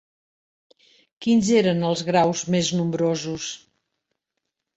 Quins eren els graus més nombrosos?